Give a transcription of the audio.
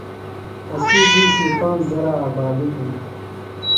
اسی دِیشی پانج ذرہ آبادیۡ ہنیۡ۔